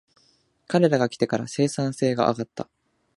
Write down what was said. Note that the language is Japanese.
彼らが来てから生産性が上がった